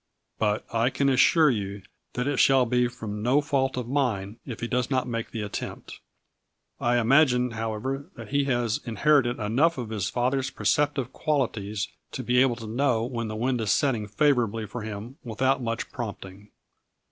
But I can assure you that it shall be from no fault of mine if he does not make the attempt. I imagine, however, that he has inherited enough of his father's percep tive qualities to be able to know when the wind is setting favorably for him without much prompting.